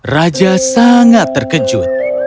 raja sangat terkejut